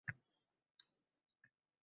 Yillar oʻtib, nabirasi aytadi